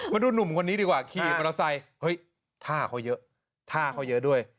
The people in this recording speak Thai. มาดูหนุ่มคนนี้ดีกว่าขี่มอเตอร์ไซค์เฮ้ยท่าเขาเยอะท่าเขาเยอะด้วย